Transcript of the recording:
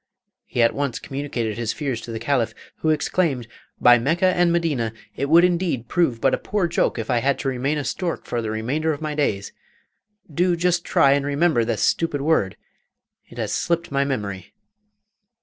He at once communicated his fears to the Caliph, who exclaimed, 'By Mecca and Medina! it would indeed prove but a poor joke if I had to remain a stork for the remainder of my days! Do just try and remember the stupid word, it has slipped my memory.